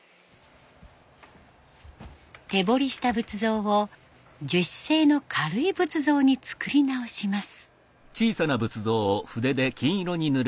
手彫りした仏像を樹脂製の軽い仏像に作り直します。